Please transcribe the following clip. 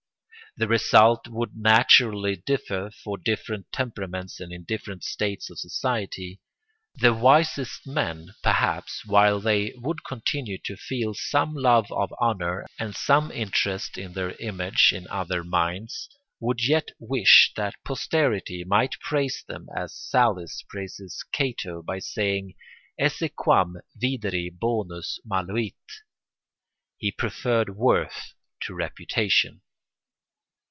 The result would naturally differ for different temperaments and in different states of society. The wisest men, perhaps, while they would continue to feel some love of honour and some interest in their image in other minds, would yet wish that posterity might praise them as Sallust praises Cato by saying: Esse quam videri bonus maluit; he preferred worth to reputation.